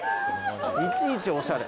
いちいちおしゃれ。